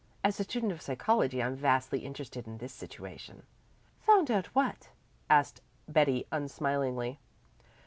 "As a student of psychology I'm vastly interested in this situation." "Found out what?" asked Betty unsmilingly.